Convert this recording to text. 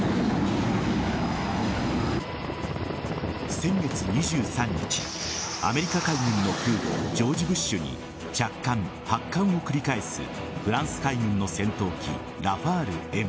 先月２３日アメリカ海軍の空母「ジョージ・ブッシュ」に着艦、発艦を繰り返すフランス海軍の戦闘機ラファールＭ。